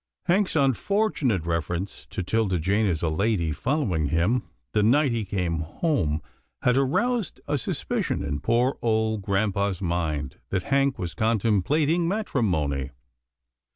Hank's unfortunate reference to 'Tilda Jane as a lady following him, the night he came home, had aroused a suspicion in poor old grampa's mind that Hank was contemplating matrimony.